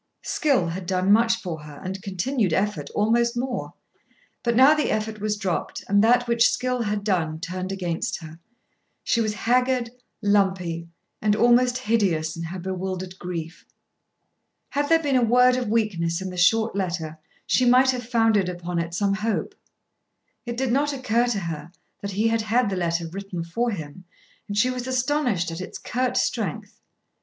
Skill had done much for her and continued effort almost more. But now the effort was dropped and that which skill had done turned against her. She was haggard, lumpy, and almost hideous in her bewildered grief. Had there been a word of weakness in the short letter she might have founded upon it some hope. It did not occur to her that he had had the letter written for him, and she was astonished at its curt strength.